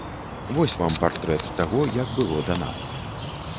Вось вам партрэт таго, як было да нас.